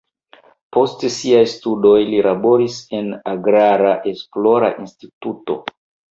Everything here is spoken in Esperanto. Post siaj studoj li laboris en agrara esplora instituto.